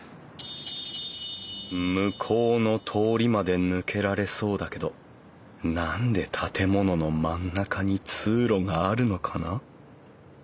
向こうの通りまで抜けられそうだけど何で建物の真ん中に通路があるのかな？